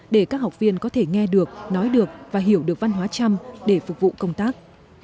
để các học viên có thể nghe được nói được và hiểu được văn hóa trăm để phục vụ công tác